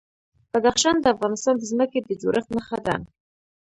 بدخشان د افغانستان د ځمکې د جوړښت نښه ده.